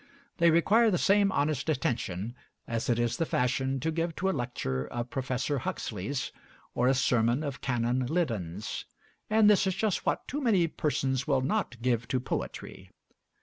They require the same honest attention as it is the fashion to give to a lecture of Professor Huxley's or a sermon of Canon Liddon's; and this is just what too many persons will not give to poetry.